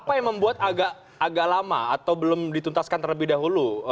apa yang membuat agak lama atau belum dituntaskan terlebih dahulu